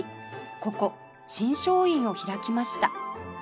ここ信松院を開きました